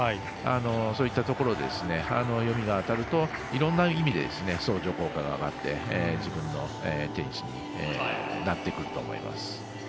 そういったところで読みが当たるといろんな意味で相乗効果が上がって自分のテニスになってくると思います。